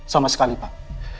sama sekali pak